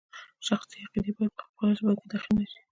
شخصي عقیدې باید په ژبه کې دخیل نشي.